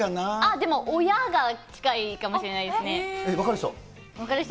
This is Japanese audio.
でも、親が近いかもしれない分かる人？